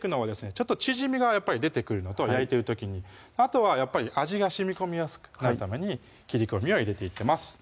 ちょっと縮みが出てくるのと焼いてる時にあとはやっぱり味がしみこみやすくなるために切り込みを入れていってます